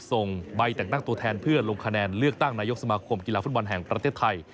ส่งใบแต่งตั้งตัวแทนเพื่อลงคะแนนเลือกตั้งนายกสมาคมกีฬาฟุตบอลแห่งประเทศไทย